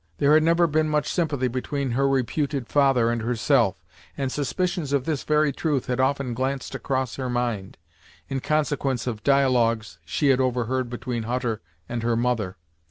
There had never been much sympathy between her reputed father and herself, and suspicions of this very truth had often glanced across her mind, in consequence of dialogues she had overheard between Hutter and her mother.